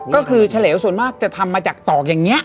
ก็คือเฉลวส่วนมากจะทำมาจากตอกอย่างนี้